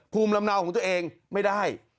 ภูมิลำเนาของตัวเองไม่ได้